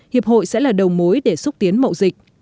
hiệp hội sẽ là đầu mối để xúc tiến mậu dịch